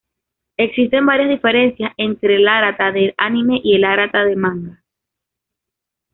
Existen varias diferencias entre el Arata del anime y el Arata del manga.